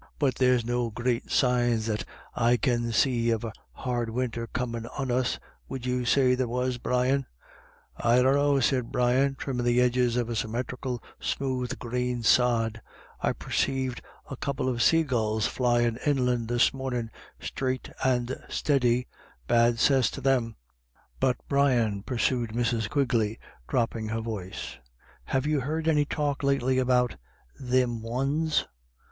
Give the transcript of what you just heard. But there's no great signs that I can see of a hard winter coram 1 on us — would you say there was, Brian ?" u I dunno," said Brian, trimming the edges of a symmetrical smooth green sod ;" I perceived a couple of saygulls flyin' inland this mornin', straight and steady — bad cess to them." "But Brian," pursued Mrs. Quigley, dropping her voice, " have you heard any talk lately about Thim Ones